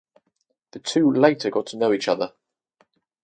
The two later got to know each other.